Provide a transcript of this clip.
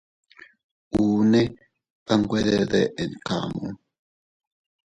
Uune a nwe deden kamu.